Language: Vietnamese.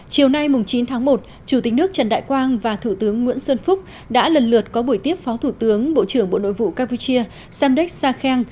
chiều nay chín tháng một chủ tịch nước trần đại quang và thủ tướng nguyễn xuân phúc đã lần lượt có buổi tiếp phó thủ tướng bộ trưởng bộ nội vụ campuchia samdek sakeng